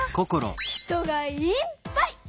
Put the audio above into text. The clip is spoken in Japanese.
人がいっぱい！